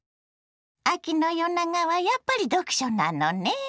秋の夜長はやっぱり読書なのね。